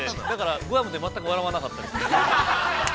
グアムで全く笑わなかったです。